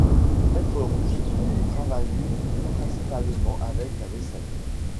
Les maitres russes ont travaillé principalement avec la vaisselle.